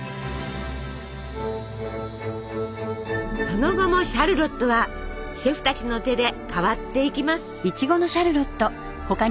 その後もシャルロットはシェフたちの手で変わっていきます。